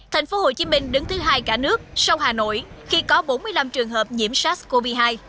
tp hcm đứng thứ hai cả nước sau hà nội khi có bốn mươi năm trường hợp nhiễm sars cov hai